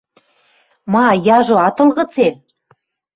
Ма, яжо ат ыл гыце?